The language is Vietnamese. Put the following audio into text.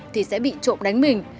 thì sẽ bị trộm đánh mình